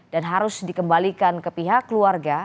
dan harus dikembalikan ke pihak keluarga